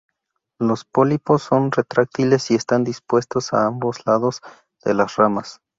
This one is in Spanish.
Los pólipos son retráctiles y están dispuestos a ambos lados de las ramas.